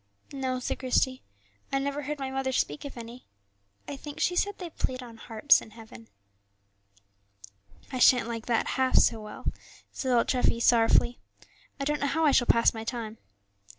"No," said Christie, "I never heard my mother speak of any; I think she said they played on harps in heaven." "I shan't like that half so well," said old Treffy, sorrowfully; "I don't know how I shall pass my time."